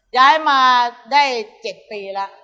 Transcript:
ย้ายมาได้๗ปีแล้ว